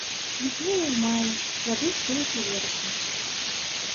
Квітнее ў маі, плады спеюць у верасні.